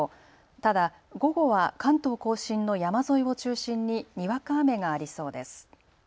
ただ午後は関東甲信の山沿いを中心ににわか雨がありそうです。